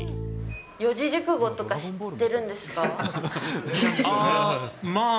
四字熟語とか知ってるんですまあ